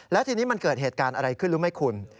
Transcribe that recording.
แล้วทีนี้มันเกิดเหตุการณ์อะไรขึ้นรู้ไหมคุณ